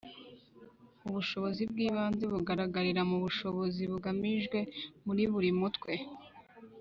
ubushobozi bw’ibanze bugaragarira mu bushobozi bugamijwe muri buri mutwe